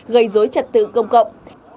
gây rối trật tự công cộng